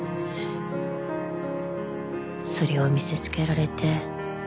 それを見せつけられて。